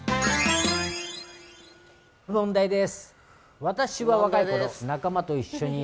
問題です。